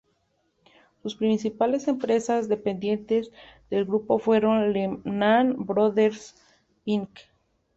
Sus principales empresas dependientes del grupo fueron "Lehman Brothers Inc.